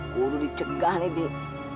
kudu dicegah nih dik